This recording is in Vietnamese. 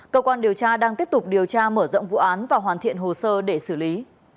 cơ quan điều tra đang tiếp tục điều tra mở rộng vụ án và hoàn thiện hồ sơ để xử lý